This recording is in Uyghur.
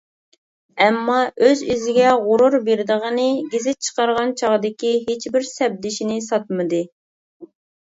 ئەمما ئۆز-ئۆزىگە غۇرۇر بېرىدىغىنى گېزىت چىقارغان چاغدىكى ھېچبىر سەپدىشىنى ساتمىدى.